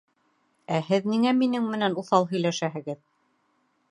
Ә һеҙ... ниңә минең минең менән уҫал һөйләшәһегеҙ?